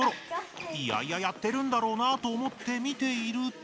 いやいややってるんだろうなと思って見ていると。